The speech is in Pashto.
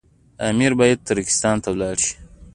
امیر باید ترکستان ته ولاړ شي.